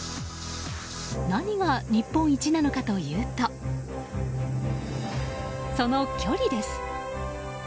何が日本一なのかというとその距離です。